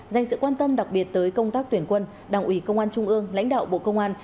dành sự quan tâm đặc biệt tới công tác tuyển quân đảng ủy công an trung ương lãnh đạo bộ công an